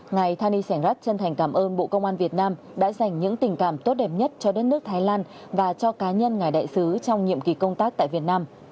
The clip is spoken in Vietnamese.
ngài thani sẻng rat chân thành cảm ơn bộ công an việt nam đã dành những tình cảm tốt đẹp nhất cho đất nước thái lan và cho cá nhân ngài đại sứ trong nhiệm kỳ công tác tại việt nam